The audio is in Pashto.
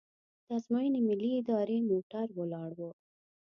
د ازموینې ملي ادارې موټر ولاړ و.